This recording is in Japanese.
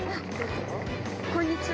こんにちは。